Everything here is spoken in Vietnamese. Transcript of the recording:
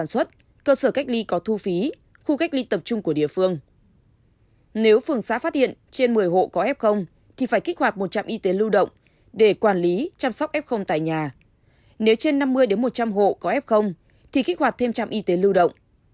nếu trên năm mươi một trăm linh hộ có f thì kích hoạt thêm trạm y tế lưu động